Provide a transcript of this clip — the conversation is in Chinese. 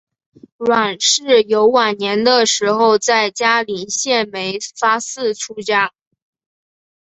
阮氏游晚年的时候在嘉林县梅发寺出家。